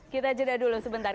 kita jeda dulu sebentar